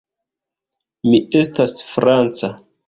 Mi estas franca.